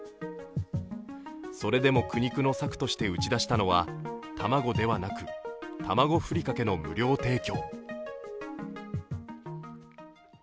それでも苦肉の策として打ち出したのは、卵ではなくたまごふりかけの無料提供。